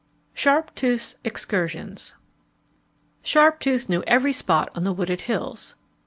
Sharptooth's Excursions Sharptooth knew every spot on the wooded hills.